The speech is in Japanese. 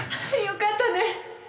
よかったね！